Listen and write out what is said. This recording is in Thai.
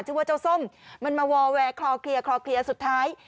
เจ้าส้มมันมาวอแวร์คลอเคลียร์คลอเคลียร์สุดท้าย